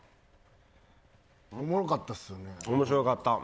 おもろかったですよね。